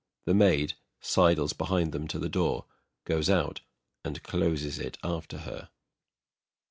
THE MAID sidles behind them to the door, goes out, and closes it after her.